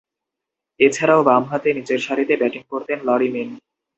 এছাড়াও, বামহাতে নিচেরসারিতে ব্যাটিং করতেন লরি মেন।